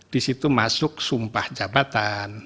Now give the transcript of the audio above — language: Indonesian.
di situ masuk sumpah jabatan